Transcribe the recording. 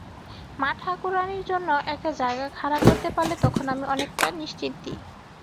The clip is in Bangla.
মা-ঠাকুরাণীর জন্য একটা জায়গা খাড়া করতে পারলে তখন আমি অনেকটা নিশ্চিন্তি।